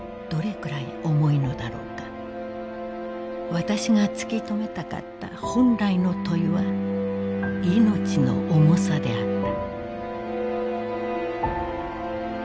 「わたしが突きとめたかった本来の問はいのちの重さであった」。